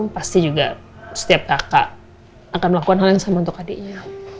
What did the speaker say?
pasti juga setiap kakak akan melakukan hal yang sama untuk adiknya